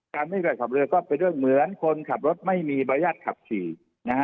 การไม่มีบริญญาติขับเรือก็เป็นเรื่องเหมือนคนขับรถไม่มีบริญญาติขับสี่นะฮะ